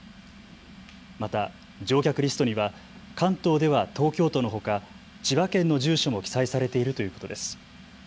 また乗客リストには関東では東京都のほか千葉県の住所も記載されているということです。